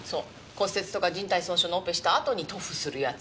骨折とか靱帯損傷のオペしたあとに塗布するやつ。